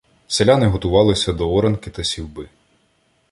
Селяни готувалися до оранки та сівби.